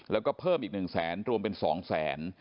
แล้วก็เพิ่มอีก๑แสนรวมเป็น๒แสน